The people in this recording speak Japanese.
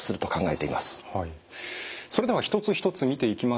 それでは一つ一つ見ていきましょうか。